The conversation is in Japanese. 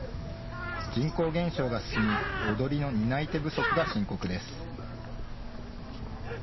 人口減少が進み踊りの担い手不足が深刻です。